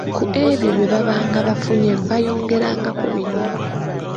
Ku ebyo bye baabanga bafunye baayongerangako bino.